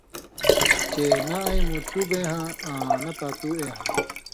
چے نہ اېں مُوٹھُو بے ہاں آں نہ پاتُو اے ہاں۔